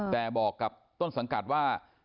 แต่บอกกับต้นสังกัดว่า